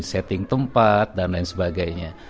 setting tempat dan lain sebagainya